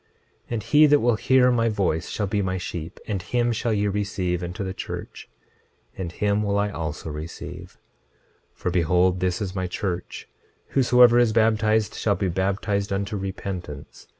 26:21 And he that will hear my voice shall be my sheep; and him shall ye receive into the church, and him will I also receive. 26:22 For behold, this is my church; whosoever is baptized shall be baptized unto repentance.